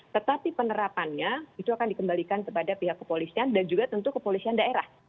tetapi penerapannya itu akan dikembalikan kepada pihak kepolisian dan juga tentu kepolisian daerah